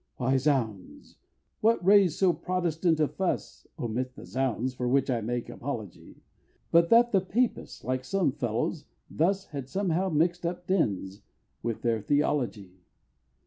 Why, zounds! what raised so Protestant a fuss (Omit the zounds! for which I make apology) But that the Papists, like some fellows, thus Had somehow mixed up Dens with their theology?